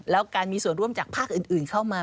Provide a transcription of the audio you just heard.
แล้วการมีส่วนร่วมจากภาคอื่นเข้ามา